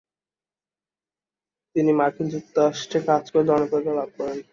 তিনি মার্কিন যুক্তরাষ্ট্রে কাজ করেই জনপ্রিয়তা লাভ করেন।